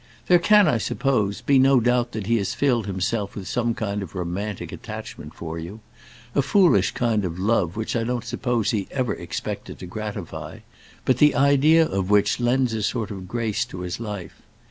There can, I suppose, be no doubt that he has filled himself with some kind of romantic attachment for you, a foolish kind of love which I don't suppose he ever expected to gratify, but the idea of which lends a sort of grace to his life.